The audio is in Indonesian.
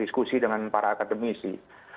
diskusi dengan para akademisi